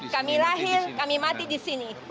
kami lahir kami mati di sini